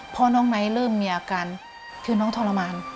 น้องไนท์เริ่มมีอาการคือน้องทรมาน